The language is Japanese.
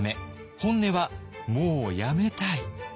本音はもうやめたい。